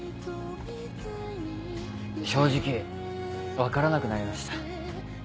正直分からなくなりました。